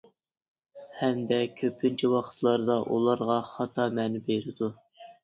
ھەمدە كۆپىنچە ۋاقىتلاردا ئۇلارغا خاتا مەنە بېرىدۇ.